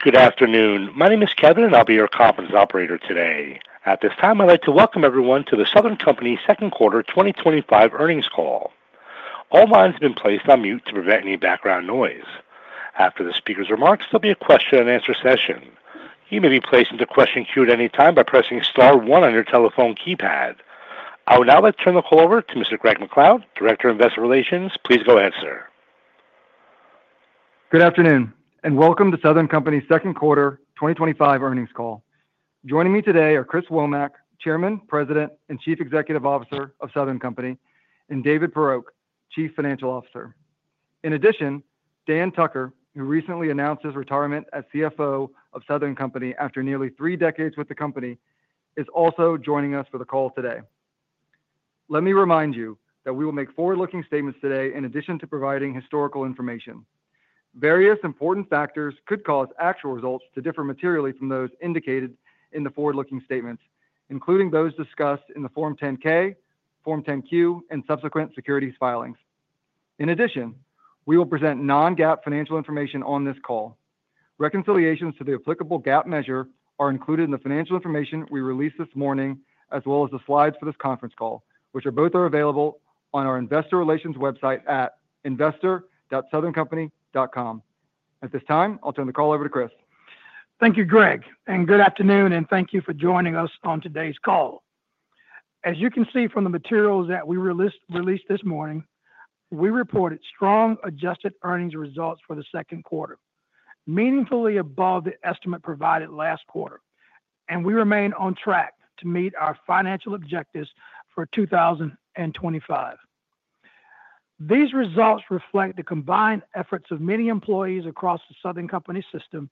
Good afternoon, my name is Kevin and I'll be your conference operator today. At this time, I'd like to welcome everyone to The Southern Company second quarter 2025 earnings call. All lines have been placed on mute. To prevent any background noise, after the speaker's remarks, there will be. A question and answer session. You may be placed into the question queue at any time by pressing Star one on your telephone keypad. I would now like to turn the. Call over to Mr. Greg MacLeod, Director of Investor Relations. Please go answer. Good afternoon and welcome to Southern Company's second quarter 2025 earnings call. Joining me today are Chris Womack, Chairman. President and Chief Executive Officer of Southern Company and David Poroch, Chief Financial Officer. In addition, Dan Tucker, who recently announced his retirement as CFO of Southern Company after nearly three decades with the company, is also joining us for the call today. Let me remind you that we will make forward-looking statements today. In addition to providing historical information, various important factors could cause actual results to differ materially from those indicated in the forward-looking statements, including those discussed in the Form 10-K, Form 10-Q, and subsequent securities filings. In addition, we will present non-GAAP financial information on this call. Reconciliations to the applicable GAAP measure are included in the financial information we released this morning and as well as the slides for this conference call, which are both available on our investor relations website at investor.southerncompany.com. At this time I'll turn the call over to Chris. Thank you, Greg, and good afternoon, and thank you for joining us on today's call. As you can see from the materials that we released this morning, we reported strong adjusted earnings results for the second quarter, meaningfully above the estimate provided last quarter, and we remain on track to meet our financial objectives for 2025. These results reflect the combined efforts of many employees across the Southern Company system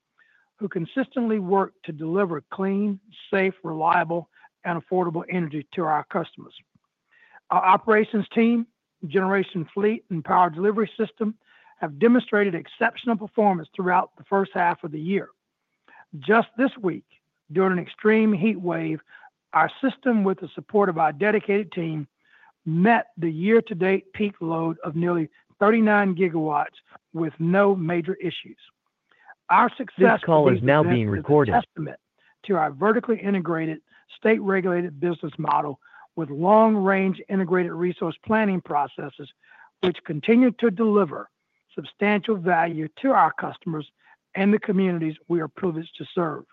who consistently work to deliver clean, safe, reliable, and affordable energy to our customers. Our operations team, generation fleet, and power delivery system have demonstrated exceptional performance throughout the first half of the year. Just this week, during an extreme heat wave, our system, with the support of our dedicated team, met the year-to-date peak load of nearly 39 GW with no major issues. Our success is now being recorded to our vertically integrated, state-regulated business model with long-range integrated resource planning processes, which continue to deliver substantial value to our customers and the communities we are privileged to serve.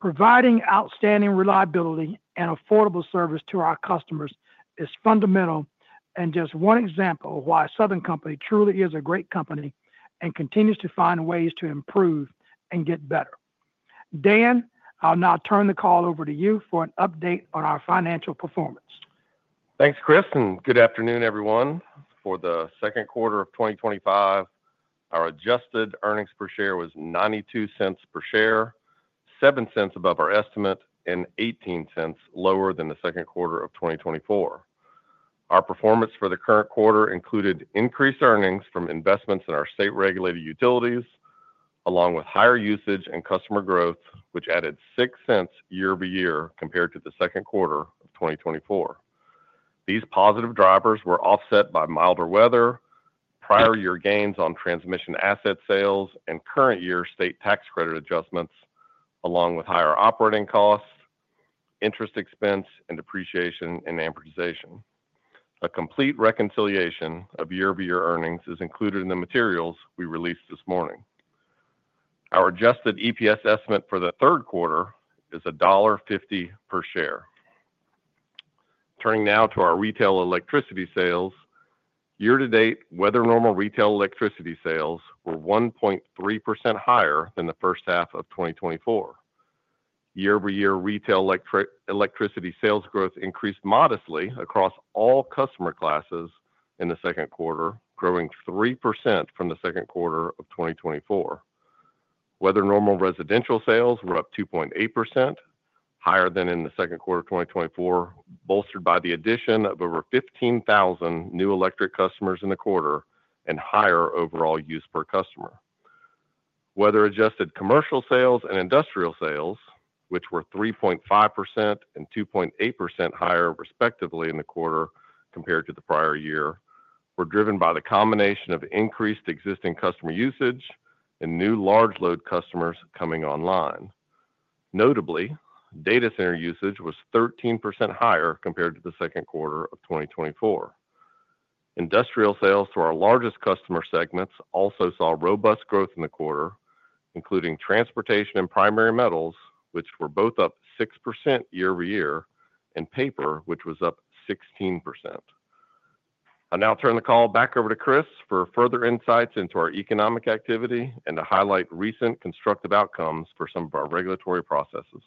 Providing outstanding reliability and affordable service to our customers is fundamental and just one example of why Southern Company truly is a great company and continues to find ways to improve and get better. Dan, I'll now turn the call over to you for an update on our financial performance. Thanks, Chris, and good afternoon, everyone. For the second quarter of 2025, our adjusted earnings per share was $0.92 per share, $0.07 above our estimate and $0.18 lower than the second quarter of 2024. Our performance for the current quarter included increased earnings from investments in our state-regulated utilities along with higher usage and customer growth, which added $0.06 year-over-year compared to the second quarter of 2024. These positive drivers were offset by milder weather, prior year gains on transmission, asset sales, and current year state tax credit adjustments, along with higher operating costs, interest expense, and depreciation and amortization. A complete reconciliation of year-over-year earnings is included in the materials we released this morning. Our Adjusted EPS estimate for the third quarter is $1.50 per share. Turning now to our retail electricity sales year to date, weather-normal retail electricity sales were 1.3% higher than the first half of 2024. Year-over-year retail electricity sales growth increased modestly across all customer classes in the second quarter, growing 3% from the second quarter of 2024. Weather-normal residential sales were up 2.8% higher than in the second quarter 2024, bolstered by the addition of over 15,000 new electric customers in the quarter and higher overall use per customer. Weather-adjusted commercial sales and industrial sales, which were 3.5% and 2.8% higher, respectively, in the quarter compared to the prior year, were driven by the combination of increased existing customer usage and new large load customers coming online. Notably, data center usage was 13% higher compared to the second quarter of 2024. Industrial sales to our largest customer segments also saw robust growth in the quarter, including transportation and primary metals, which were both up 6% year-over-year, and paper, which was up 16%. I'll now turn the call back over to Chris for further insights into our economic activity and to highlight recent constructive outcomes for some of our regulatory processes.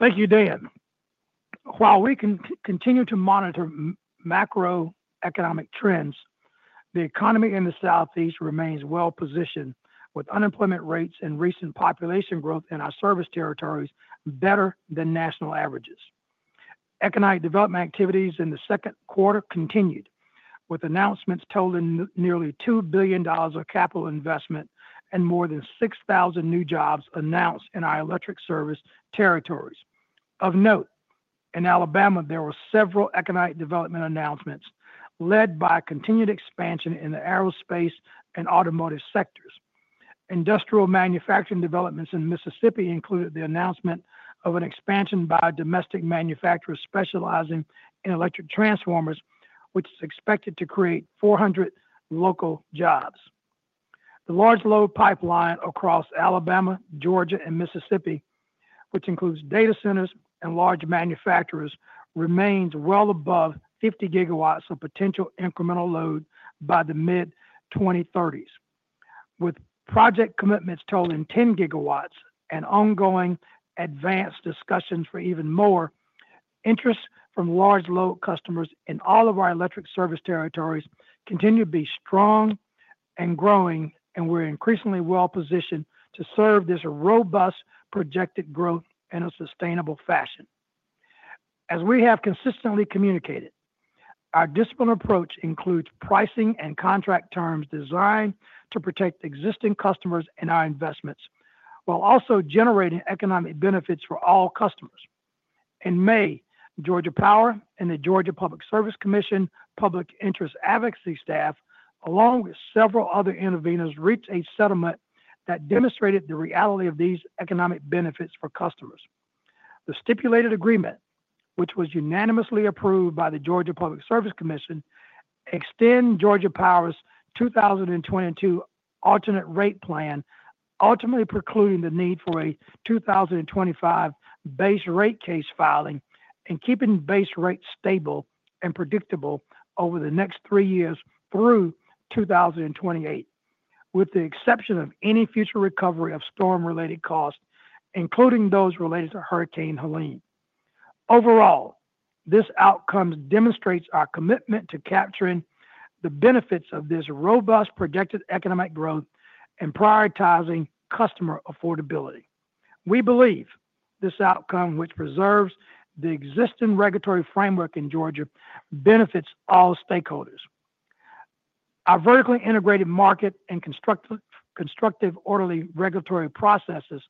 Thank you, Dan. While we continue to monitor macroeconomic trends, the economy in the Southeast remains well positioned, with unemployment rates and recent population growth in our service territories better than national averages. Economic development activities in the second quarter continued with announcements totaling nearly $2 billion of capital investment and more than 6,000 new jobs announced in our electric service territories. Of note, in Alabama there were several economic development announcements led by continued expansion in the aerospace and automotive sectors. Industrial manufacturing developments in Mississippi included the announcement of an expansion by domestic manufacturers specializing in electric transformers, which is expected to create 400 local jobs. The large load pipeline across Alabama, Georgia, and Mississippi, which includes data centers and large manufacturers, remains well above the gigawatts of potential incremental load by the mid-2030s. With project commitments totaling 10 GW and ongoing advanced discussions for even more, interest from large load customers in all of our electric service territories continues to be strong and growing, and we're increasingly well positioned to serve this robust projected growth in a sustainable fashion. As we have consistently communicated, our disciplined approach includes pricing and contract terms designed to protect existing customers and our investments while also generating economic benefits for all customers. In May, Georgia Power and the Georgia Public Service Commission Public Interest Advocacy Staff, along with several other intervenors, reached a settlement that demonstrated the reality of these economic benefits for customers. The stipulated agreement, which was unanimously approved by the Georgia Public Service Commission, extends Georgia Power's 2022 alternate rate plan, ultimately precluding the need for a 2025 base rate case filing and keeping base rates stable and predictable over the next three years through 2028, with the exception of any future recovery of storm-related costs, including those related to Hurricane Helene. Overall, this outcome demonstrates our commitment to capturing the benefits of this robust projected economic growth and prioritizing customer affordability. We believe this outcome, which preserves the existing regulatory framework in Georgia, benefits all stakeholders. Our vertically integrated market and constructive, orderly regulatory processes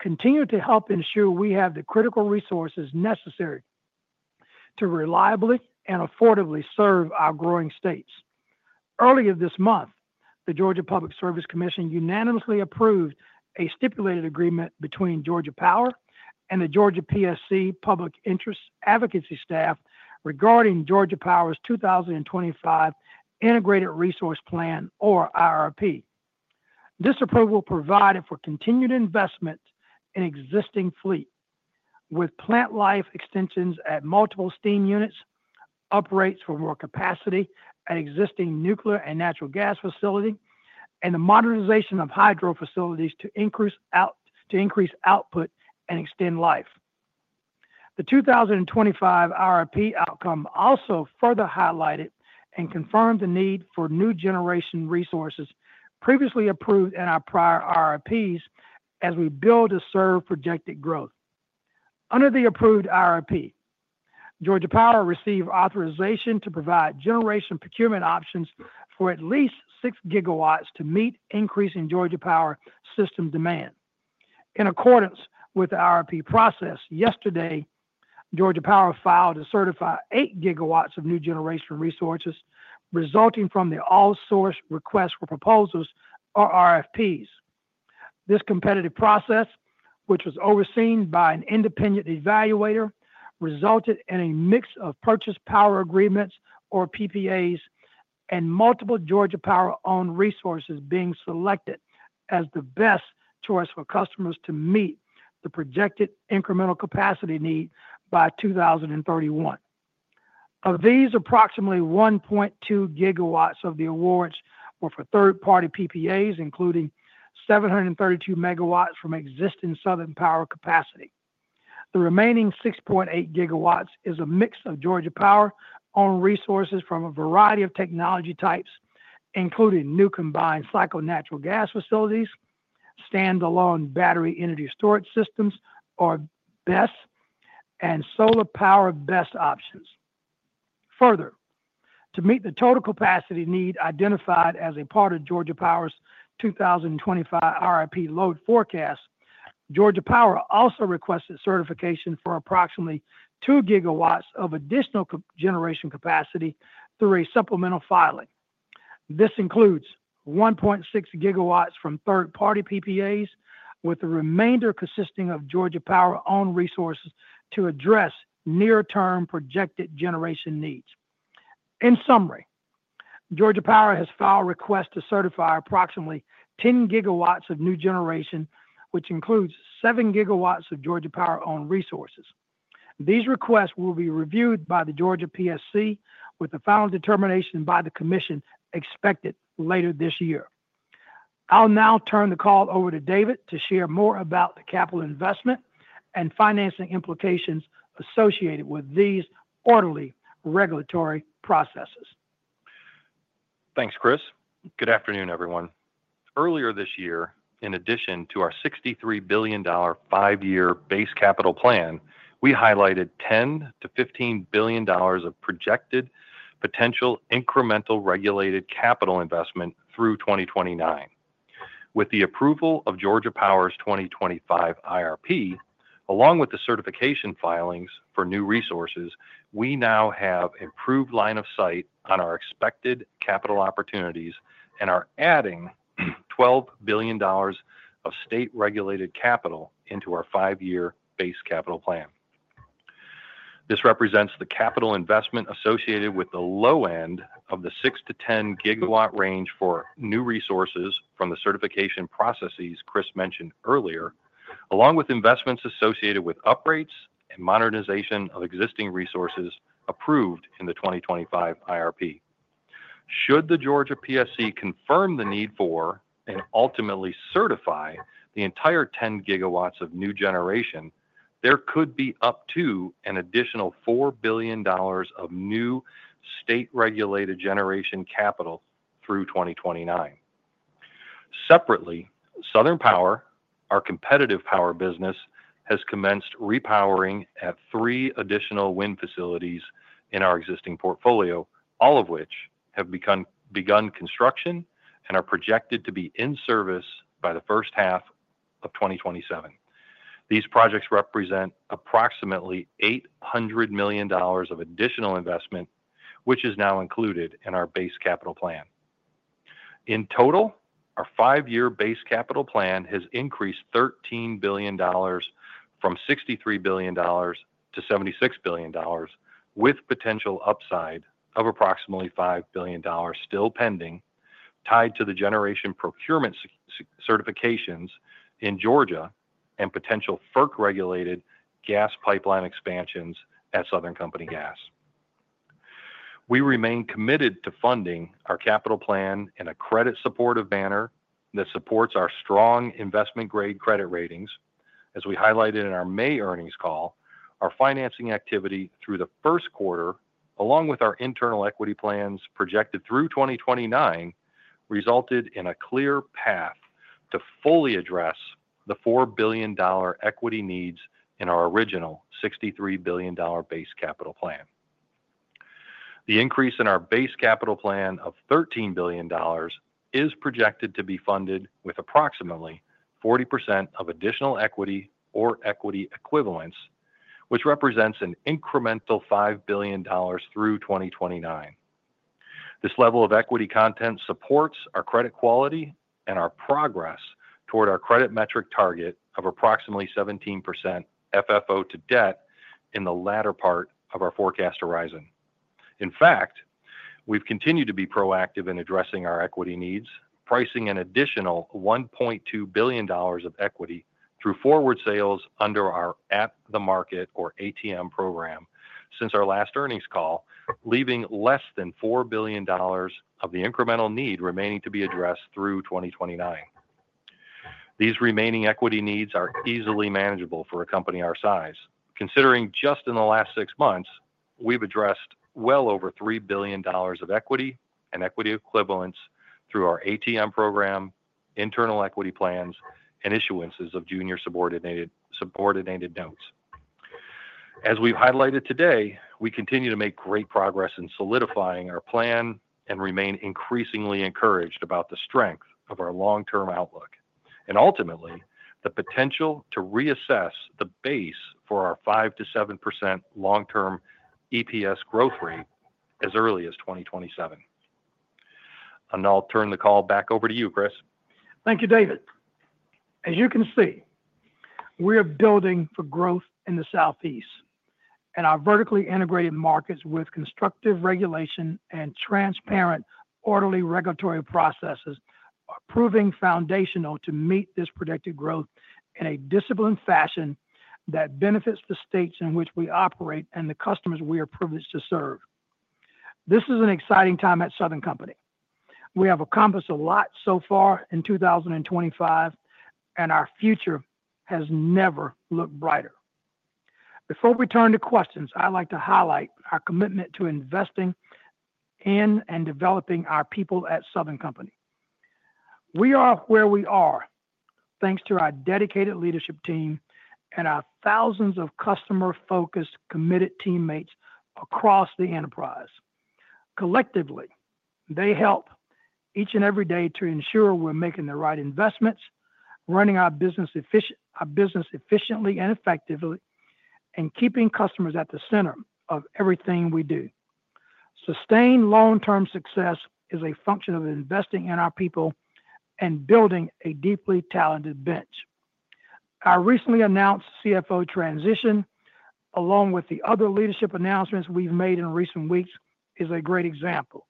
continue to help ensure we have the critical resources necessary to reliably and affordably serve our growing states. Earlier this month, the Georgia Public Service Commission unanimously approved a stipulated agreement between Georgia Power and the Georgia PSC Public Interest Advocacy Staff regarding Georgia Power's 2025 Integrated Resource Plan or IRP. This approval provided for continued investment in existing fleet with plant life extensions at multiple steam units, uprates for more capacity at existing nuclear and natural gas facilities, and the modernization of hydro facilities to increase output and extend life. The 2025 IRP outcome also further highlighted and confirmed the need for new generation resources previously approved in our prior IRPs as we build to serve projected growth. Under the approved IRP, Georgia Power received authorization to provide generation procurement options for at least 6 GW to meet increasing Georgia Power system demand in accordance with the IRP process. Yesterday, Georgia Power filed to certify 8 GW of new generation resources resulting from the All Source Request for Proposals or RFPs. This competitive process, which was overseen by an independent evaluator, resulted in a mix of power purchase agreements or PPAs and multiple Georgia Power owned resources being selected as the best choice for customers to meet the projected incremental capacity need by 2031. Of these, approximately 1.2 GW of the awards were for third-party PPAs including 732 MW from existing Southern Power capacity. The remaining 6.8 GW is a mix of Georgia Power owned resources from a variety of technology types including new combined cycle natural gas facilities, standalone battery energy storage systems or BEST, and solar power BEST options. Further, to meet the total capacity need identified as a part of Georgia Power's 2025 IRP load forecast, Georgia Power also requested certification for approximately 2 GW of additional generation capacity through a supplemental filing. This includes 1.6 GW from third-party PPAs with the remainder consisting of Georgia Power owned resources to address near-term projected generation needs. In summary, Georgia Power has filed requests to certify approximately 10 GW of new generation which includes 7 GW of Georgia Power owned resources. These requests will be reviewed by the Georgia PSC, with the final determination by the Commission expected later this year. I'll now turn the call over to David to share more about the capital investment and financing implications associated with these orderly regulatory processes. Thanks, Chris. Good afternoon everyone. Earlier this year, in addition to our $63 billion five-year base capital plan, we highlighted $10 billion-$15 billion of projected potential incremental regulated capital investment through 2029. With the approval of Georgia Power's 2025 IRP along with the certification filings for new resources, we now have improved line of sight on our expected capital opportunities and are adding $12 billion of state-regulated capital into our five-year base capital plan. This represents the capital investment associated with the low end of the 6 GW-10 GW range for new resources from the certification processes Chris mentioned earlier, along with investments associated with upgrades and modernization of existing resources approved in the 2025 IRP. Should the Georgia PSC confirm the need for and ultimately certify the entire 10 GW of new generation, there could be up to an additional $4 billion of new state-regulated generation capital through 2029. Separately, Southern Power, our competitive power business, has commenced repowering at three additional wind facilities in our existing portfolio, all of which have begun construction and are projected to be in service by the first half of 2027. These projects represent approximately $800 million of additional investment which is now included in our base capital plan. In total, our five-year base capital plan has increased $13 billion from $63 billion to $76 billion, with potential upside of approximately $5 billion still pending tied to the generation procurement certifications in Georgia and potential FERC-regulated gas pipeline expansions at Southern Company Gas. We remain committed to funding our capital plan in a credit-supportive manner that supports our strong investment-grade credit ratings. As we highlighted in our May earnings call, our financing activity through the first quarter along with our internal equity plans projected through 2029 resulted in a clear path to fully address the $4 billion equity needs in our original $63 billion base capital plan. The increase in our base capital plan of $13 billion is projected to be funded with approximately 40% of additional equity or equity equivalents, which represents an incremental $5 billion through 2029. This level of equity content supports our credit quality and our progress toward our credit metric target of approximately 17% FFO-to-debt in the latter part of our forecast horizon. In fact, we've continued to be proactive in addressing our equity needs, pricing an additional $1.2 billion of equity through forward sales under our at the market, or ATM, program since our last earnings call, leaving less than $4 billion of the incremental need remaining to be addressed through 2029. These remaining equity needs are easily manageable for a company our size, considering just in the last six months we've addressed well over $3 billion of equity and equity equivalents through our ATM program, internal equity plans, and issuances of junior subordinated notes. As we've highlighted today, we continue to make great progress in solidifying our plan and remain increasingly encouraged about the strength of our long-term outlook and ultimately the potential to reassess the base for our 5% to 7% long-term EPS growth rate as early as 2027. I'll turn the call back over to you, Chris. Thank you, David. As you can see, we are building for growth in the Southeast, and our vertically integrated markets with constructive regulation and transparent, orderly regulatory processes are proving foundational to meet this predicted growth in a disciplined fashion that benefits the states in which we operate and the customers we are privileged to serve. This is an exciting time at Southern Company. We have accomplished a lot so far in 2025, and our future has never looked brighter. Before we turn to questions, I'd like to highlight our commitment to investing in and developing our people at Southern Company. We are where we are thanks to our dedicated leadership team and our thousands of customer-focused, committed teammates across the enterprise. Collectively, they help each and every day to ensure we're making the right investments, running our business efficiently and effectively, and keeping customers at the center of everything we do. Sustained long-term success is a function of investing in our people and building a deeply talented bench. Our recently announced CFO transition, along with the other leadership announcements we've made in recent weeks, is a great example.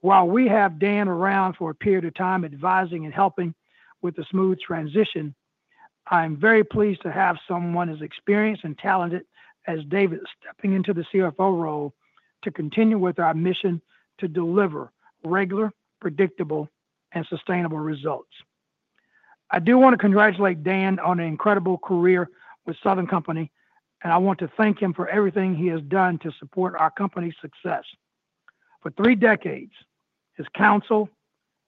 While we have Dan around for a period of time advising and helping with the smooth transition, I'm very pleased to have someone as experienced and talented as David stepping into the CFO role to continue with our mission to deliver regular, predictable, and sustainable results. I do want to congratulate Dan on an incredible career with Southern Company, and I want to thank him for everything he has done to support our company's success for three decades. His counsel,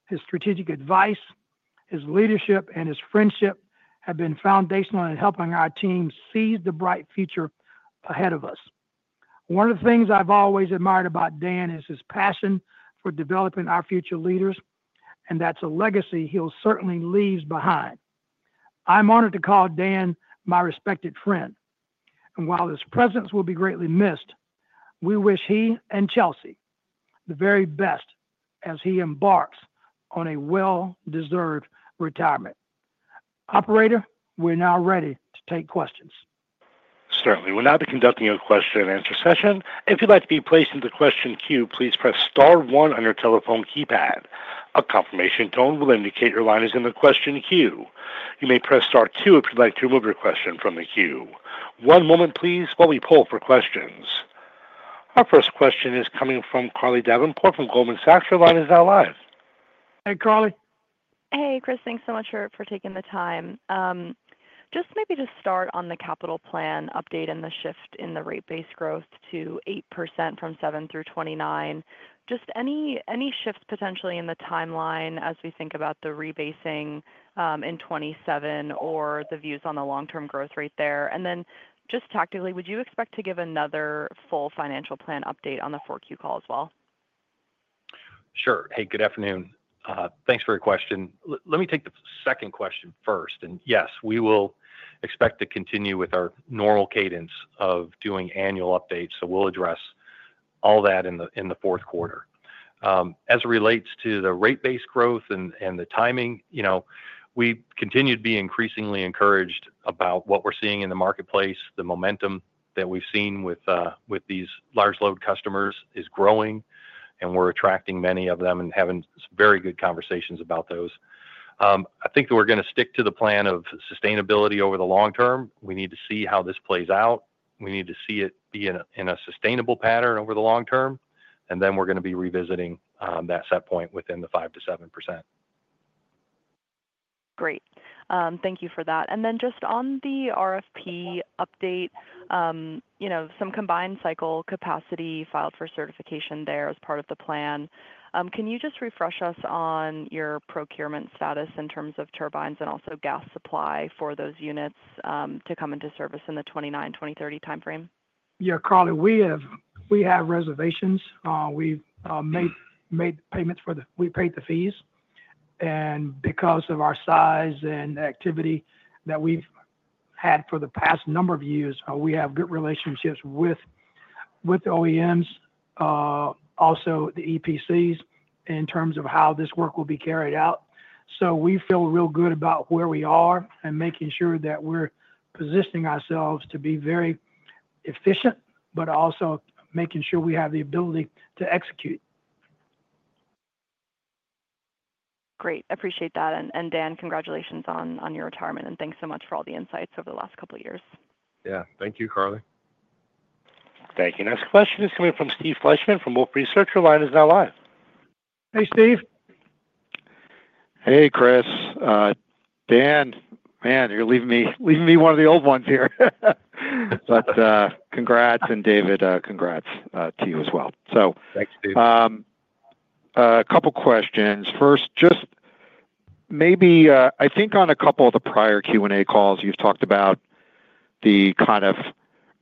his strategic advice, his leadership, and his friendship have been foundational in helping our team seize the bright future ahead of us. One of the things I've always admired about Dan is his passion for developing our future leaders, and that's a legacy he'll certainly leave behind. I'm honored to call Dan my respected friend, and while his presence will be greatly missed, we wish he and Chelsea the very best as he embarks on a well-deserved retirement. Operator, we're now ready to take questions. Certainly. We'll now be conducting a question and answer session. If you'd like to be placed in. the question queue, please press star one on your telephone keypad. A confirmation tone will indicate your line is in the question queue. You may press star two if you'd like. Like to remove your question from the queue. One moment, please. While we poll for questions, our first. Question is coming from Carly Davenport from Goldman Sachs. Line is now live. Hey Carly. Hey Chris. Thanks so much for taking the time just maybe to start on the capital plan update and the shift in the rate base growth to 8% from 7% through 2029. Just any shifts potentially in the timeline as we think about the rebasing in 2027 or the views on the long-term growth rate there. Then just tactically, would you expect to give another full financial plan update on the 4Q call as well? Sure. Hey, good afternoon. Thanks for your question. Let me take the second question first. Yes, we will expect to continue with our normal cadence of doing annual updates. We'll address all that in the fourth quarter as it relates to the rate base growth and the timing. We continue to be increasingly encouraged about what we're seeing in the marketplace. The momentum that we've seen with these large load customers is growing, and we're attracting many of them and having very good conversations about those. I think that we're going to stick to the plan of sustainability over the long term. We need to see how this plays out. We need to see it be in a sustainable pattern over the long term. We're going to be revisiting that set point within the 5%-7%. Great. Thank you for that. Just on the RFP update, you know, some combined cycle capacity filed for certification there as part of the plan. Can you just refresh us on your procurement status in terms of turbines and also gas supply for those units to come into service in the 2029, 2030 timeframe? Yeah, Carly, we have reservations. We made payments for the, we paid the fees. Because of our size and activity that we've had for the past number of years, we have good relationships with OEMs, also the EPCs, in terms of how this work will be carried out. We feel real good about where we are and making sure that we're positioning ourselves to be very efficient, but also making sure we have the ability to execute. Great. Appreciate that. Dan, congratulations on your retirement and thanks so much for all the insights over the last couple years. Yeah, thank you, Carly. Thank you. Next question is coming from Steven Fleishman from Wolfe Research. Your line is now live. Hey, Steve. Hey, Chris. Dan, man, you're leaving me, leaving me one of the old ones here, but congrats. And David, congrats to you as well. A couple questions first. Just maybe, I think on a couple of the prior Q and A calls, you've talked about the kind of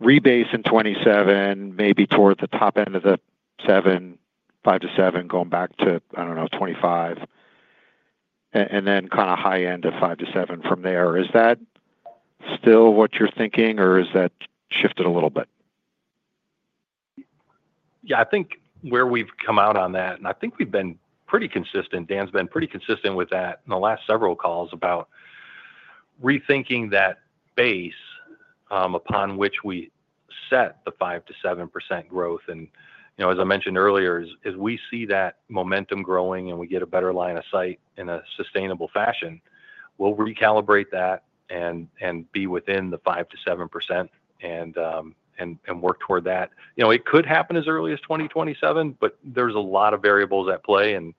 rebase in 2027, maybe toward the top end of the 5% to 7%, going back to, I don't know, 2025 and then kind of high end of 5%-7% from there. Is that still what you're thinking, or is that shifted a little bit? Yeah, I think where we've come out on that, and I think we've been pretty consistent, Dan's been pretty consistent with that in the last several calls about rethinking that base upon which we set the 5%-7% growth. As I mentioned earlier, as we see that momentum growing and we get a better line of sight in a sustainable fashion, we'll recalibrate that and be within the 5%-7% and work toward that. It could happen as early as 2027, but there's a lot of variables at play and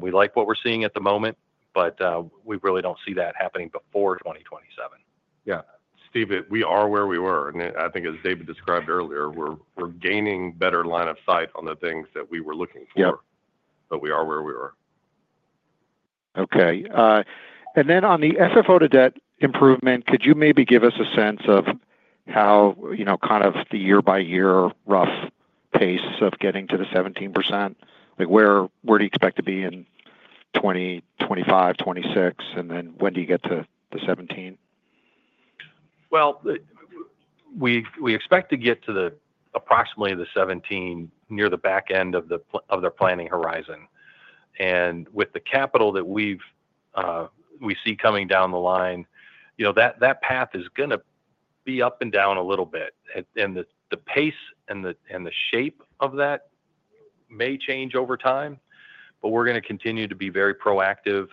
we like what we're seeing at the moment, but we really don't see that happening before 2027. Yeah, Steve, we are where we were. I think, as David described earlier, we're gaining better line of sight on the things that we were looking for, but we are where we were. Okay. On the FFO-to-debt improvement, could you maybe give us a sense of how, you know, kind of the year by year, rough pace of getting to the 17%, like where do you expect to be in 2025, 2026, and then when do you get to the 17%? We expect to get to approximately the 17% near the back end of their planning horizon. With the capital that we see coming down the line, that path is going to be up and down a little bit. The pace and the shape of that may change over time, but we're going to continue to be very proactive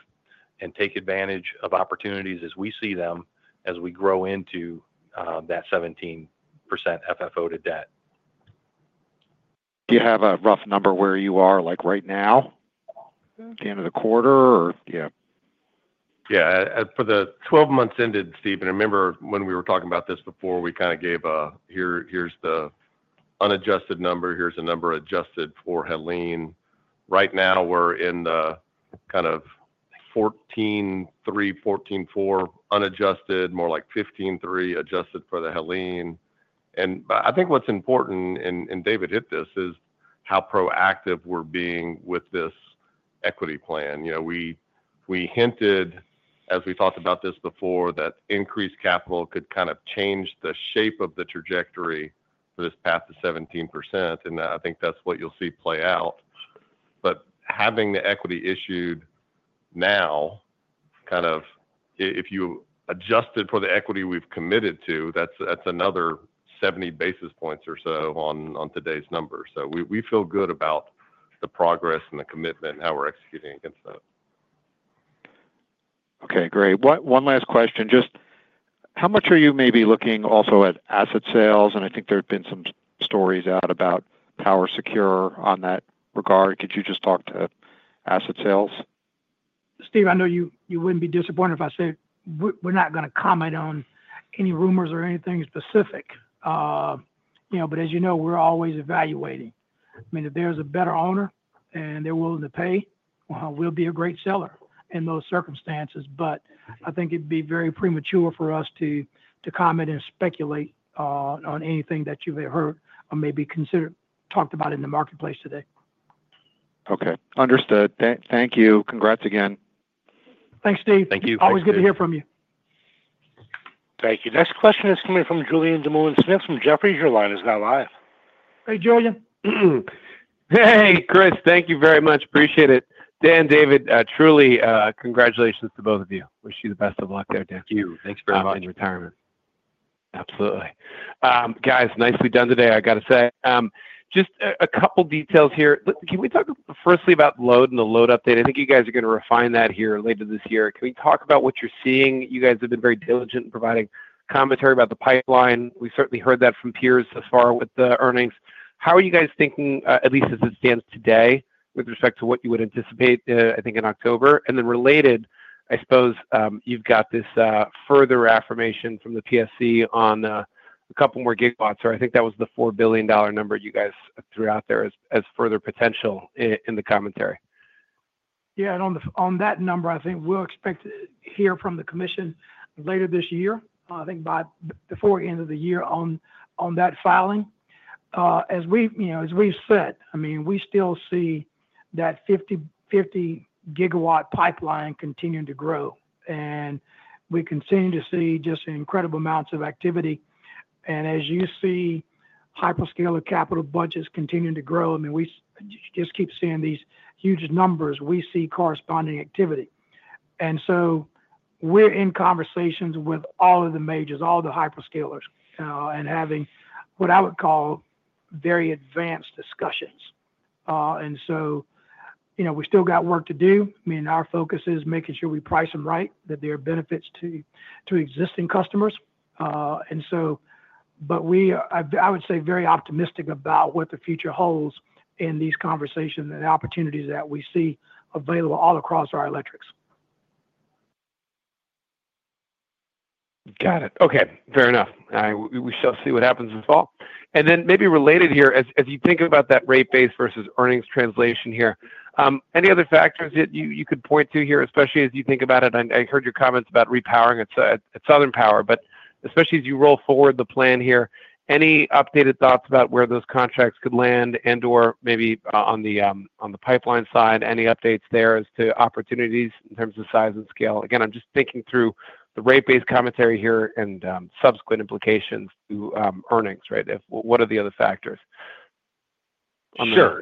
and take advantage of opportunities as we see them. As we grow into that 17% FFO-to-debt. do you have a rough number where you are like right now at the end of the quarter? Yeah, for the 12 months ended, Steve, and remember when we were talking about this before, we kind of gave a, here's the unadjusted number. Here's a number adjusted for Helene. Right now we're in kind of $14.3 billion, $14.4 billion unadjusted, more like $15.3 billion adjusted for the Helene. I think what's important, and David hit this, is how proactive we're being with this equity plan. We hinted as we talked about this before that increased capital could kind of change the shape of the trajectory for this path to 17%. I think that's what you'll see play out. Having the equity issued now, if you adjusted for the equity we've committed to, that's another 70 basis points or so on today's numbers. We feel good about the progress and the commitment and how we're executing against that. Okay, great. One last question. Just how much are you maybe looking also at asset sales? I think there have been some stories out about PowerSecure on that regard. Could you just talk to asset sales? Steve, I know you. You wouldn't be disappointed if I said we're not going to comment on any rumors or anything specific, you know, but as you know, we're always evaluating. If there's a better owner and they're willing to pay, we'll be a great seller in those circumstances. I think it'd be very premature for us to comment and speculate on anything that you've heard may be considered talked about in the marketplace today. Okay, understood. Thank you. Congrats again. Thanks, Steve. Thank you. Always good to hear from you. Thank you. Next question is coming from Julien Dumoulin-Smith from Jefferies. Your line is now live. Hey Julien. Hey Chris. Thank you very much. Appreciate it. Dan, David, truly congratulations to both of you. Wish you the best of luck there. Thank you. Thanks very much. In retirement. Absolutely. Guys, nicely done today, I gotta say. Just a couple details here. Can we talk firstly about load and the load update? I think you guys are going to refine that here later this year. Can we talk about what you're seeing? You guys have been very diligent in providing commentary about the pipeline. We certainly heard that from peers thus far with the earnings. How are you guys thinking at least as it stands today with respect to what you would anticipate, I think in October, and then related, I suppose you've got this further affirmation from the PSC on a couple more gigawatts or, I think that was the $4 billion number you guys threw out there as further potential in the commentary. Yeah. On that number, I think we'll expect to hear from the commission later this year, I think before end of the year on that filing. As we've said, we still see that 50 GW pipeline continue to grow and we continue to see just incredible amounts of activity. As you see hyperscaler capital budgets continue to grow, we just keep seeing these huge numbers. We see corresponding activity and we're in conversations with all of the majors, all the hyperscalers, and having what I would call very advanced discussions. We still got work to do. Our focus is making sure we price them right, that there are benefits to existing customers. I would say very optimistic about what the future holds in these conversations and opportunities that we see available all across our electrics. Got it. Okay, fair enough. We shall see what happens this fall. Maybe related here, as you think about that rate base versus earnings translation here, any other factors that you could point to here, especially as you think about it? I heard your comments about repowering at Southern Power, but especially as you roll forward the plan here, any updated thoughts about where those contracts could land, or maybe on the pipeline side, any updates there as to opportunities in terms of size and scale? Again, I'm just thinking through the rate base commentary here and subsequent implications. Earnings. Right. What are the other factors? Sure.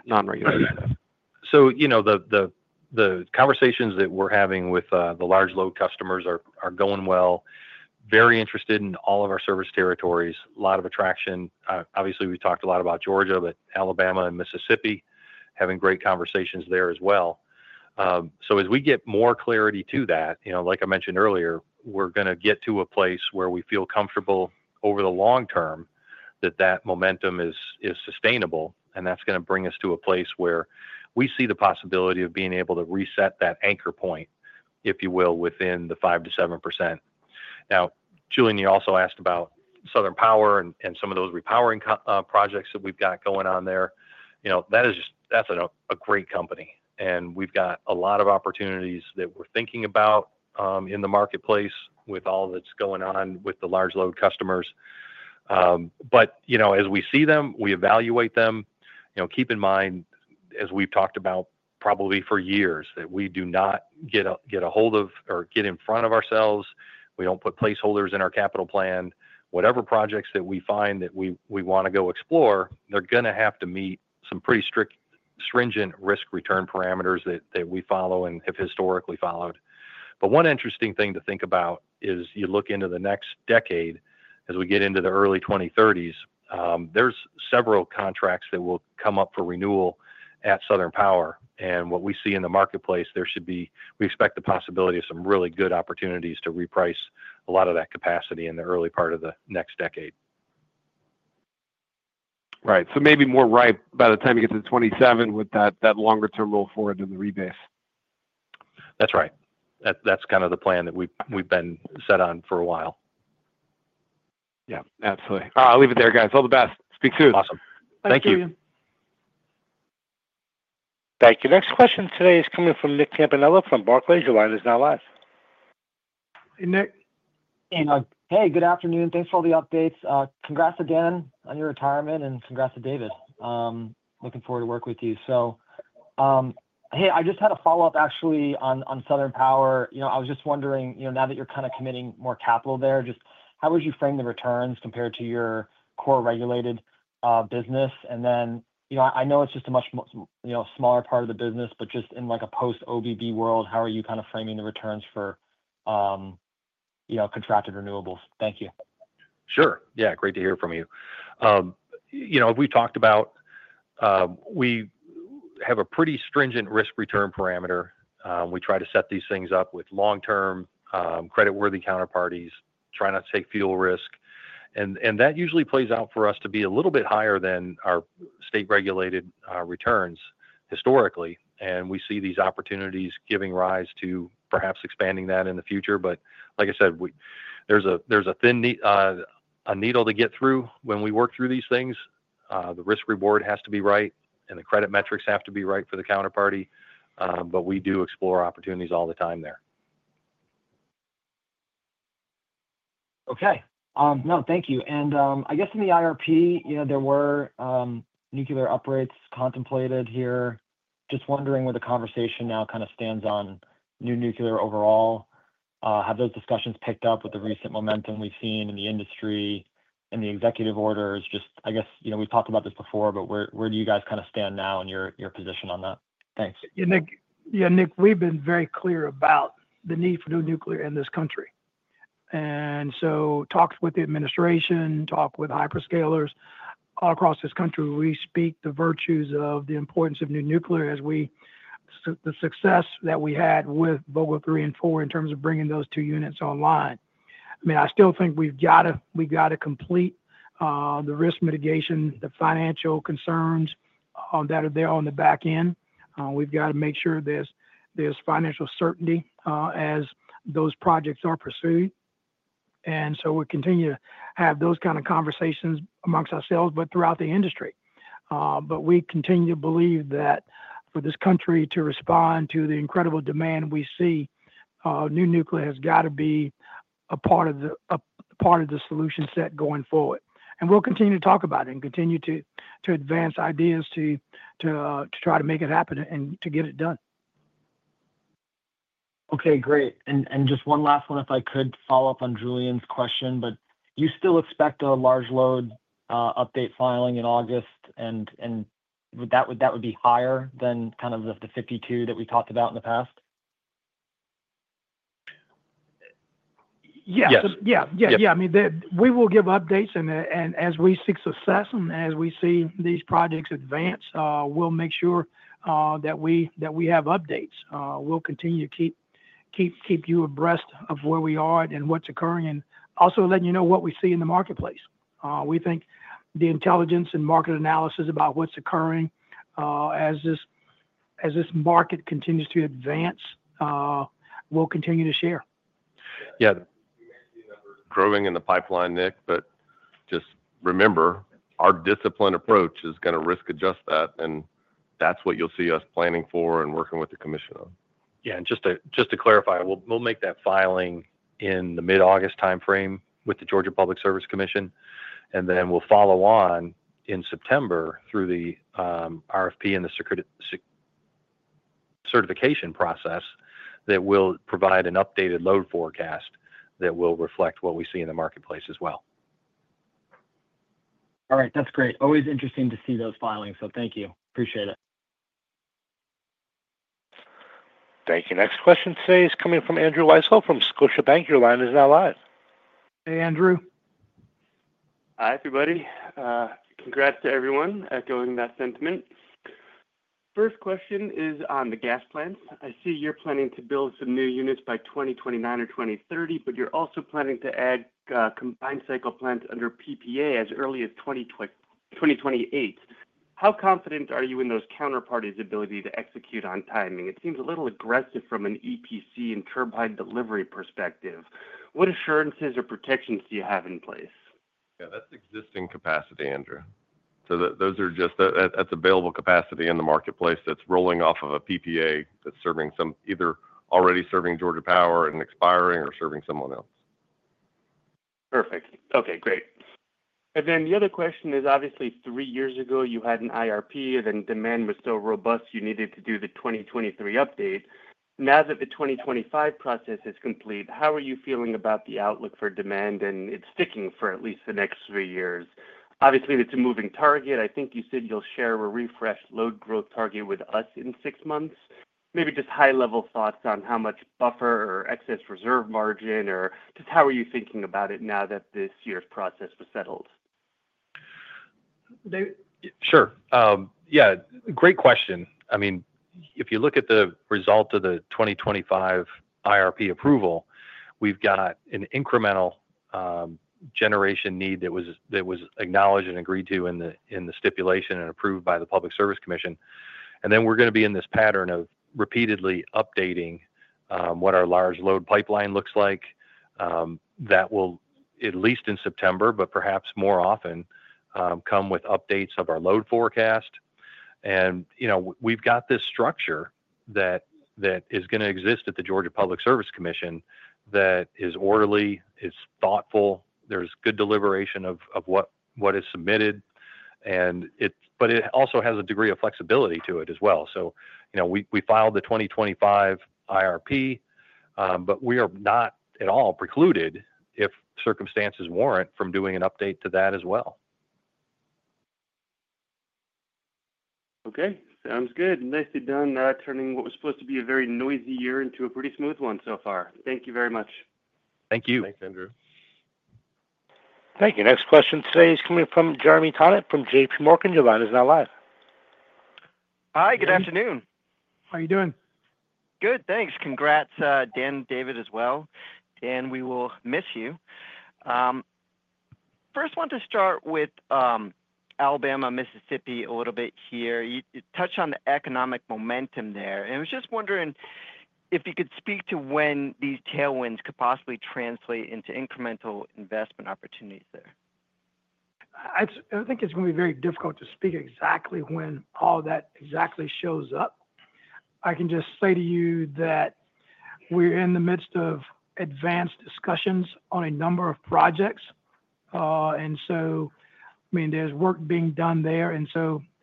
The conversations that we're having with the large load customers are going well, very interested in all of our service territories. A lot of attraction. Obviously we've talked a lot about Georgia, but Alabama and Mississippi, having great conversations there as well. As we get more clarity to that, like I mentioned earlier, we're going to get to a place where we feel comfortable over the long term that that momentum is sustainable and that's going to bring us to a place where we see the possibility of being able to reset that anchor point, if you will, within the 5%-7%. Now, Julien, you also asked about Southern Power and some of those repowering projects that we've got going on there. That is just, that's a great company and we've got a lot of opportunities that we're thinking about in the marketplace with all that's going on with the large load customers. As we see them, we evaluate them. Keep in mind, as we've talked about probably for years, that we do not get a hold of or get in front of ourselves. We don't put placeholders in our capital plan. Whatever projects that we find that we want to go explore, they're going to have to meet some pretty strict, stringent risk return parameters that we follow and have historically followed. One interesting thing to think about is you look into the next decade. As we get into the early 2030s, there's several contracts that will come up for renewal at Southern Power and what we see in the marketplace, there should be, we expect the possibility of some really good opportunities to reprice a lot of that capacity in the early part of the next decade. Right. Maybe more ripe by the time. You get to 27 with that longer term roll forward in the rebase. That's right. That's kind of the plan that we've been set on for a while. Yeah, absolutely. I'll leave it there, guys. All the best. Speak soon. Awesome. Thank you. Thank you. Next question today is coming from Nick. Campanella from Barclays, your line is now live. Hey Nick. Good afternoon. Thanks for all the updates. Congrats again on your retirement and congrats to David. Looking forward to work with you. I just had a follow up actually on Southern Power. I was just wondering. Now that you're kind of committing more capital there, just how would you? Frame the returns compared to your core regulated business? I know it's. Just a much, you know, smaller part of the business, but just in like a post OBB world, how are you kind of framing the returns for, you know, contracted renewables. Thank you. Sure. Yeah, great to hear from you. You know we talked about, we have a pretty stringent risk return parameter. We try to set these things up with long-term creditworthy counterparties, try not to take fuel risk, and that usually plays out for us to be a little bit higher than our state-regulated returns historically. We see these opportunities giving rise to perhaps expanding that in the future. Like I said, there's a thin needle to get through when we work through these things. The risk reward has to be right and the credit metrics have to be right for the counterparty. We do explore opportunities all the time there. Okay, no, thank you. I guess in the IRP, there were nuclear upgrades contemplated here. Just wondering where the conversation now kind of stands on new nuclear overall. Have those discussions picked up with the? Recent momentum we've seen in the industry and the executive orders? I guess, you know, we've talked about this before, but where do you guys kind of stand now in your position on that? Thanks. Yeah, Nick, we've been very clear about the need for new nuclear in this country. Talks with the administration, talks with hyperscalers all across this country, we speak the virtues of the importance of new nuclear as we, the success that we had with Vogtle 3 and 4 in terms of bringing those two units online. I mean, I still think we've got to complete the risk mitigation, the financial concerns that are there on the back end. We've got to make sure there's financial certainty as those projects are pursued. We continue to have those kind of conversations amongst ourselves throughout the industry. We continue to believe that for this country to respond to the incredible demand we see, new nuclear has got. To be. Part of the solution set going forward. We will continue to talk about it and continue to advance ideas to try to make it happen and to get it done. Okay, great. Just one last one, if I. Could follow up on Julien's question, but you still expect a large load. Update filing in August, and that would be higher than kind of the 52 that we talked about in the past. Yes. I mean we will give updates as we seek success and as we see these projects advance, we'll make sure that we have updates. We'll continue to keep you abreast of where we are and what's occurring and also letting you know what we see in the marketplace. We think the intelligence and market analysis about what's occurring as this market continues to advance, we'll continue to share. Yeah, growing in the pipeline, Nick. Just remember our disciplined approach is going to risk adjust that, and that's what you'll see us planning for and working with the commission on. Yeah. Just to clarify, we'll make that filing in the mid-August timeframe with the Georgia Public Service Commission, and then we'll follow on in September through the RFP and the certification process that will provide an updated load forecast that will reflect what we see in the marketplace as well. All right, that's great. Always interesting to see those filings. Thank you. Appreciate it. Thank you. Next question today from André Wilson from Scotiabank. Your line is now live. Hey André. Hi everybody. Congrats to everyone echoing that sentiment. First question is on the gas plants. I see you're planning to build some new units by 2029 or 2030, but you're also planning to add combined cycle plant under PPA as early as 2028. How confident are you in those counterparties' ability to execute on timing? It seems a little aggressive from an EPC and turbine delivery perspective. What assurances or protections do you have in place? Yeah, that's existing capacity, André. Those are just available capacity in the marketplace that's rolling off of a PPA that's serving some either already serving Georgia Power and expiring or serving someone else. Perfect. Okay, great. The other question is obviously three years ago you had an IRP and demand was so robust you needed to do the 2023 update. Now that the 2025 process is complete, how are you feeling about the outlook for demand and it's sticking for at least the next three years? Obviously it's a moving target. I think you said you'll share a refresh load growth target with us in six months. Maybe just high-level thoughts on how much buffer or excess reserve margin or just how are you thinking about it now that this year's process was settled, David? Sure. Yeah, great question. If you look at the result of the 2025 IRP approval, we've got an incremental generation need that was acknowledged and agreed to in the stipulation and approved by the Public Service Commission. We're going to be in this pattern of repeatedly updating what our large load pipeline looks like that will at least in September, but perhaps more often, come with updates of our load forecast. We've got this structure that is going to exist at the Georgia Public Service Commission that is orderly, is thoughtful. There's good deliberation of what is submitted, but it also has a degree of flexibility to it as well. We filed the 2025 IRP, but we are not at all precluded, if circumstances warrant, from doing an update to that as well. Okay, sounds good. Nicely done. Turning what was supposed to be a very noisy year into a pretty smooth one so far. Thank you very much. Thank you. Thanks André. Thank you. Next question today is coming from Jeremy Tonet from JPMorgan. Your line is now live. Hi, good afternoon. How are you doing? Good, thanks. Congrats Dan. David as well. Dan, we will miss you. First, want to start with Alabama, Mississippi a little bit here. You touched on the economic momentum there. Could you speak to when these tailwinds could possibly. Translate into incremental investment opportunities there. I think it's going to be very difficult to speak exactly when all that exactly shows up. I can just say to you that we're in the midst of advanced discussions on a number of projects, so there's work being done there, and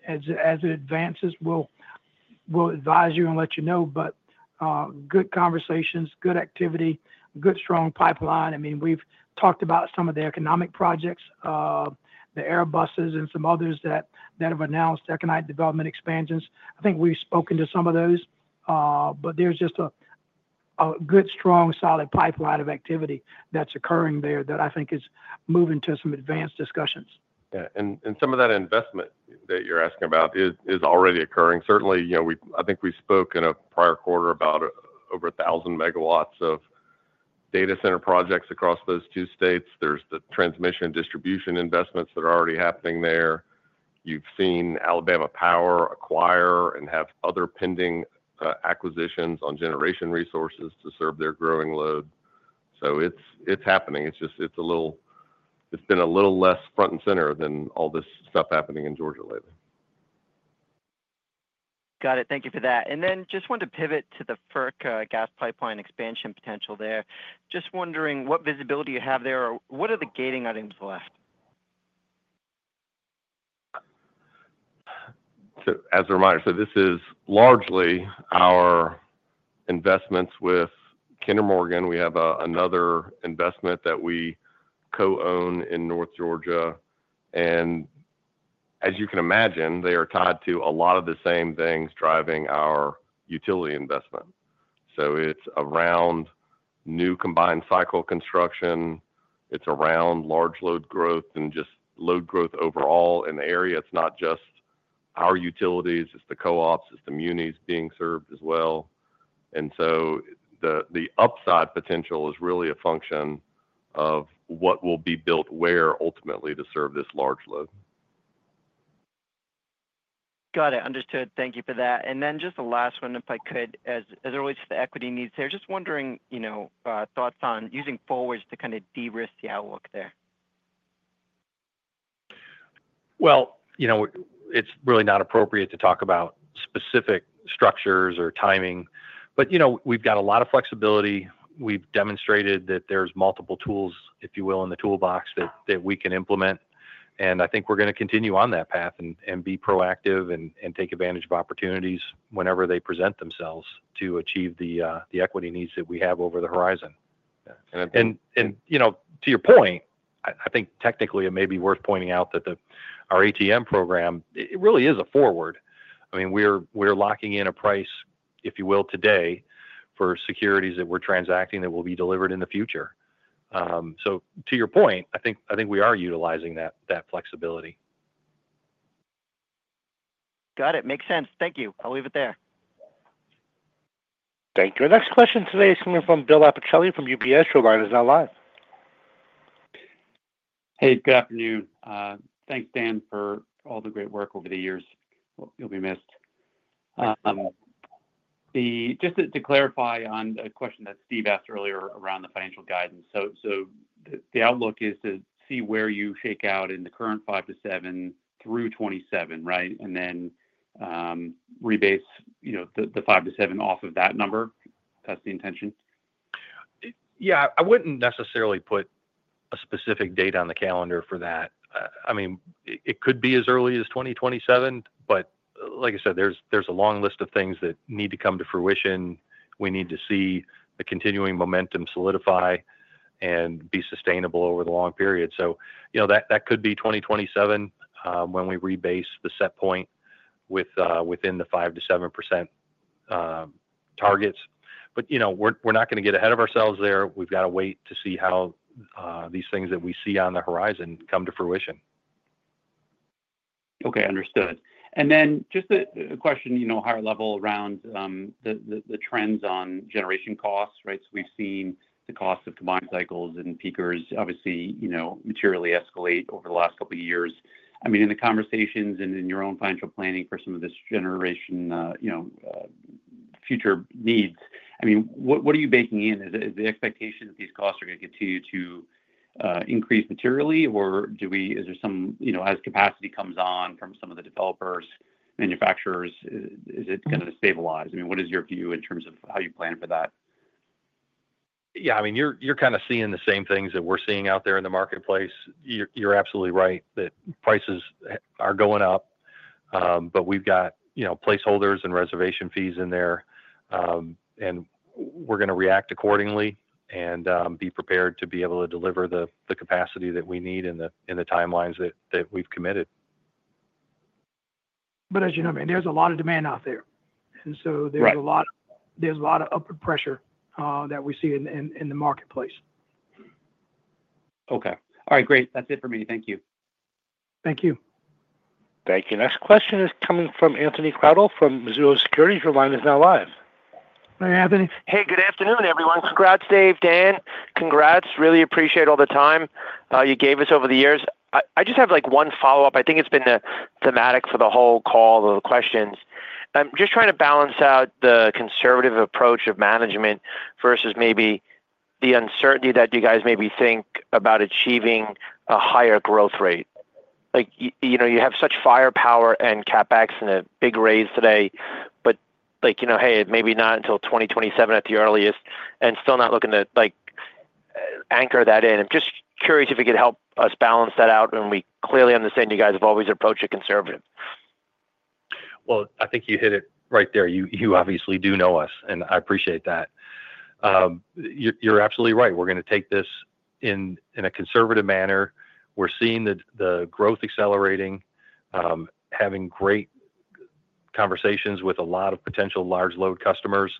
as it advances we'll advise you and let you know. Good conversations, good activity, good strong pipeline. We've talked about some of the economic projects, the Airbus and some others that have announced economic development expansions. I think we've spoken to some of those. There's just a good strong solid pipeline of activity that's occurring there that I think is moving to some advanced discussions. Some of that investment that you're asking about is already occurring, certainly. I think we spoke in a prior quarter about over 1,000 MW of data center projects across those two states. There are the transmission and distribution investments that are already happening there. You've seen Alabama Power acquire and have other pending acquisitions on generation resources to serve their growing load. It's happening. It's just been a little less front and center than all this stuff happening in Georgia lately. Got it. Thank you for that. I wanted to pivot to. The FERC gas pipeline expansion potential there. Just wondering what visibility you have there, or what are the gating items left. As a reminder, this is largely our investments with Kinder Morgan. We have another investment that we co-own in North Georgia, and as you can imagine, they are tied to a lot of the same things driving our utility investment. It's around new combined cycle construction, large load growth, and just load growth overall in the area. It's not just our utilities; it's the co-ops and the munis being served as well. The upside potential is really a function of what will be built, where ultimately, to serve this large load. Got it. Understood. Thank you for that. Just the last one, if. As it relates to the equity needs, they're just wondering thoughts on using forwards to kind of de-risk the outlook there? You know, it's really not appropriate to talk about specific structures or timing, but we've got a lot of flexibility. We've demonstrated that there's multiple tools, if you will, in the toolbox that we can implement. I think we're going to continue on that path and be proactive and take advantage of opportunities whenever they present themselves to achieve the equity needs that we have over the horizon. To your point, I think technically it may be worth pointing out that our ATM program really is a forward. I mean, we're locking in a price, if you will, today for securities that we're transacting that will be delivered in the future. To your point, I think we are utilizing that flexibility. Got it. Makes sense. Thank you. I'll leave it there. Thank you. Our next question today is coming from. Bill Appicelli from UBS. Your line is now live. Hey, good afternoon. Thanks, Dan, for all the great work over the years. You'll be missed. Just to clarify on a question that Steve asked earlier around the financial guidance. The outlook is to see where you shake out in the current 5%-7% through 2027, right? Then rebase, you know, the 5% to 7% off of that number. That's the intention. Yeah. I wouldn't necessarily put a specific date on the calendar for that. It could be as early as 2027. Like I said, there's a long list of things that need to come to fruition. We need to see the continuing momentum solidify and be sustainable over the long period. That could be 2027 when we rebase the set point within the 5%-7% targets. We're not going to get ahead of ourselves there. We've got to wait to see how these things that we see on the horizon come to fruition. Okay, understood. Just a question, higher level around the trends on generation costs. We've seen the cost of combined cycles and peakers materially escalate over the last couple years. In the conversations and in your own financial planning for some of this generation, future needs, what are you baking in? Is the expectation that these costs are going to continue to increase materially or is there some, as capacity comes on from some of the developers, manufacturers, is it going to stabilize? What is your view in terms of how you plan for that? You're kind of seeing the same things that we're seeing out there in the marketplace. You're absolutely right that prices are going up, but we've got placeholders and reservation fees in there and we're going to react accordingly and be prepared to be able to deliver the capacity that we need in the timelines that we've committed. As you know, there's a lot of demand out there, and there's a lot of upward pressure that we see in the marketplace. Okay, all right, great. That's it for me. Thank you. Thank you. Thank you. Next question is coming from Anthony Crowdell from Mizuho. Your line is now live. Hi, Anthony. Hey, good afternoon everyone. Congrats, David, Dan, congrats. Really appreciate all the time you gave us over the years. I just have one follow up. I think it's been a thematic for the whole call, the questions. I'm just trying to balance out the conservative approach of management versus maybe the uncertainty that you guys maybe think about achieving a higher growth rate. Like, you know, you have such firepower and CapEx and a big raise today, but, you know, maybe not until 2027 at the earliest and still not looking to anchor that in. I'm just curious if you could help us balance that out. We clearly understand you guys have always approached it conservatively. I think you hit it right there. You obviously do know us and I appreciate that. You're absolutely right. We're going to take this in a conservative manner. We're seeing the growth accelerating, having great conversations with a lot of potential large load customers,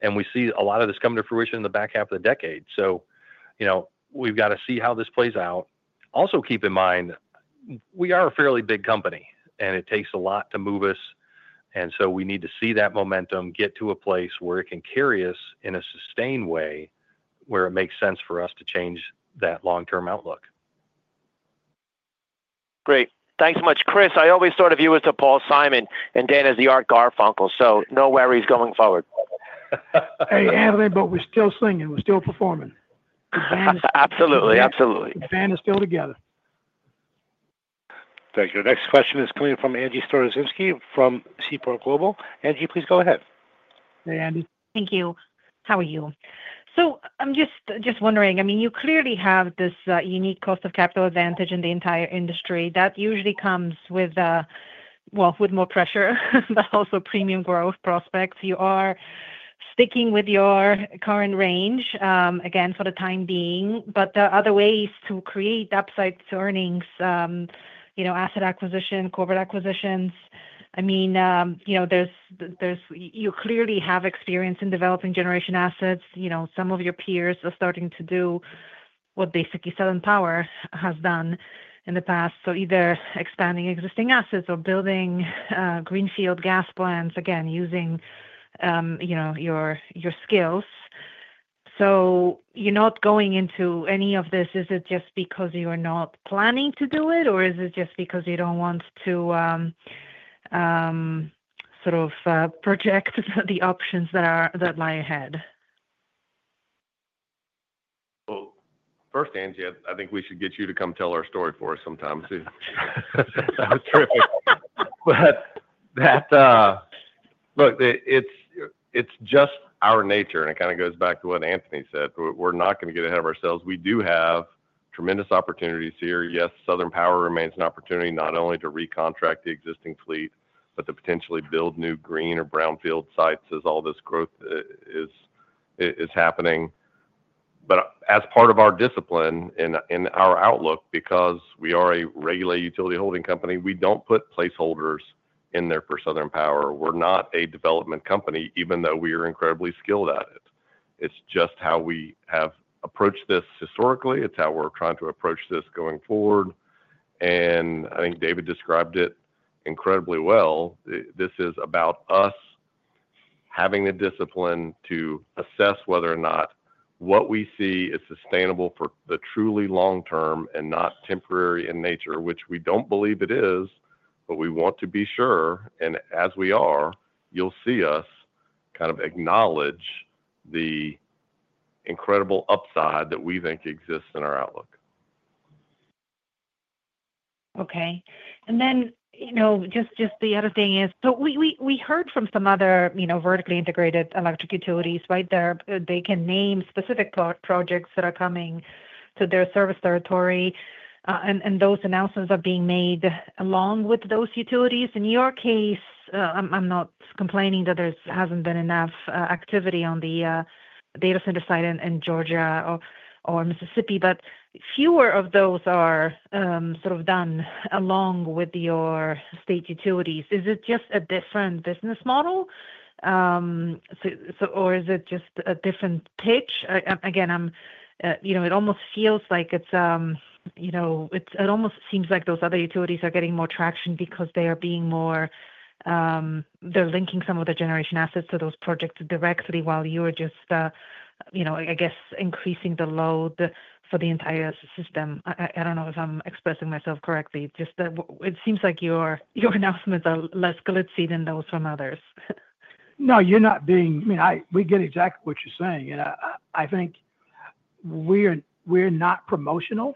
and we see a lot of this come to fruition in the back half of the decade. We've got to see how this plays out. Also keep in mind we are a fairly big company and it takes a lot to move us. We need to see that momentum get to a place where it can carry us in a sustained way, where it makes sense for us to change that long-term outlook. Great, thanks so much, Chris. I always thought of you as a Paul Simon and Dan as the Art Garfunkel. No worries going forward. Hey, Anthony. We're still singing, we're still performing. Absolutely, absolutely. The band is still together. Thank you. Next question is coming from Angie Storozynski from Seaport Global. Angie, please go ahead. Hey, Angie. Thank you. How are you? I'm just wondering. You clearly have this unique cost of capital advantage in the entire industry that usually comes with more pressure, but also premium growth prospects. You are sticking with your current range again for the time being. There are other ways to create upside earnings. You know, asset acquisition, corporate acquisitions. I mean, you know, you clearly have experience in developing generation assets. Some of your peers are starting to do what basically Southern Power has done in the past, either expanding existing assets or building greenfield gas plants again using your skills. You're not going into any of this. Is it just because you are not planning to do it, or is it just because you don't want to sort of project the options that lie ahead? Angie, I think we should get you to come tell our story for us sometime soon. Terrific. It's just our. Nature and it kind of goes back to what Anthony said. We're not going to get ahead of ourselves. We do have tremendous opportunities here. Yes, Southern Power remains an opportunity not only to recontract the existing fleet, but to potentially build new green or brownfield sites as all this growth is happening. As part of our discipline and in our outlook, because we are a regulated utility holding company, we don't put plans, placeholders in there for Southern Power. We're not a development company, even though we are incredibly skilled at it. It's just how we have approached this historically. It's how we're trying to approach this going forward. I think David described it incredibly well. This is about us having the discipline to assess whether or not what we see is sustainable for the truly long term and not temporary in nature, which we don't believe it is, but we want to be sure. As we are, you'll see us kind of acknowledge the incredible upside that we think exists in our outlook. Okay. Just the other thing is, we heard from some other vertically integrated electric utilities where they can name specific projects that are coming to their service territory, and those announcements are being made along with those utilities. In your case, I'm not complaining that there hasn't been enough activity on the data center side in Georgia or Mississippi, but fewer of those are sort of done along with your state utilities. Is it just a different business model or is it just a different pitch? Again, it almost feels like it's, it almost seems like those other utilities are getting more traction because they are being more, they're linking some of the generation assets to those projects directly while you are just, I guess, increasing the load for the entire system. I don't know if I'm expressing myself correctly, just that it seems like your announcements are less glitzy than those from others. No, you're not being, I mean, we get exactly what you're saying and I think we're not promotional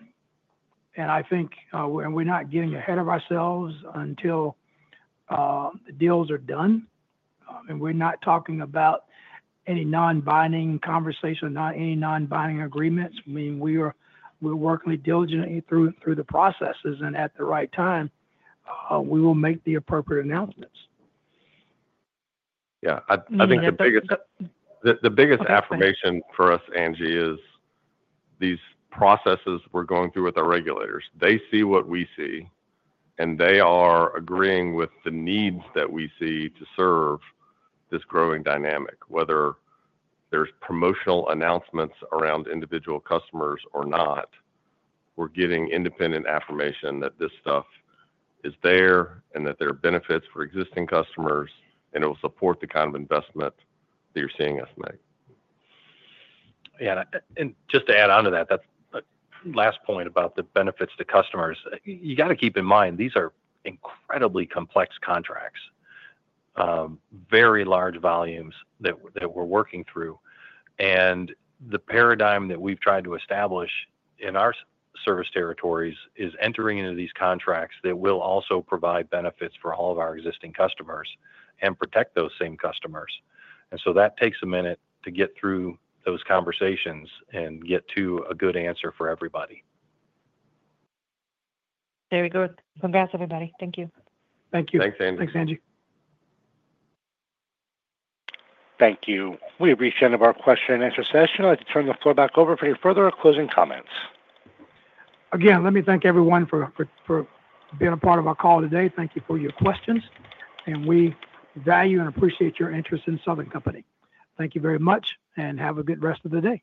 and I think we're not getting ahead of ourselves until the deals are done. We're not talking about any non-binding conversation, not any non-binding agreements. We're working diligently through the processes and at the right time we will make the appropriate announcements. I think the biggest affirmation for us, Angie, is these processes we're going through with our regulators. They see what we see, and they are agreeing with the needs that we see to serve this growing dynamic. Whether there's promotional announcements around individual customers or not, we're getting independent affirmation that this stuff is there and that there are benefits for existing customers, and it will support the kind of investment that you're seeing us make. Yeah, just to add on to that last point about the benefits to customers, you got to keep in mind these are incredibly complex contracts, very large volumes that we're working through. The paradigm that we've tried to establish in our service territories is entering into these contracts that will also provide benefits for all of our existing customers and protect those same customers. That takes a minute to get through those conversations and get to a good answer for everybody. There we go. Congrats, everybody. Thank you. Thank you. Thanks, Angie. Thanks, Angie. Thank you. We have reached the end of our. Question and answer session. I'd like to turn the floor back over for any further closing comments. Again, let me thank everyone for being a part of our call today. Thank you for your questions, and we value and appreciate your interest in Southern Company. Thank you very much, and have a good rest of the day.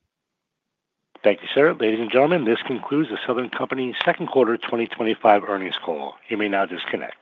Thank you, sir. Ladies and gentlemen, this concludes The Southern Company. Company second quarter 2025 earnings call. You may now disconnect.